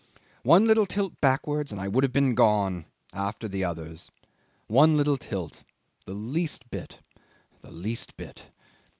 One little tilt backwards and I would have been gone after the others. One little tilt the least bit the least bit."